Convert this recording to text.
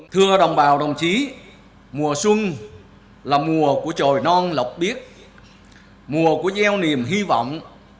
thưa đồng bào đồng chí mùa xuân là mùa của trồi non lộc biếc mùa của gieo niềm hy vọng